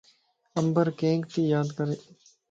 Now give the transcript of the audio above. عمبر ڪينک تي ياد ڪري؟